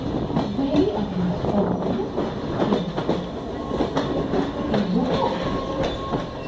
'A way of your own?' she whispered. 'But that would be wrong.'